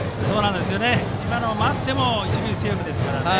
今のは待っても一塁セーフですから。